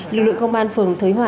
lực lượng công an phường thới hòa